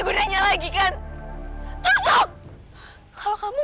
pasti ayahku akan kasih ke kamu